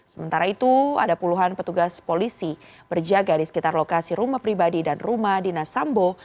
sementara itu ada puluhan petugas polisi berjaga di sekitar lokasi rumah pribadi dan rumah dinas sambo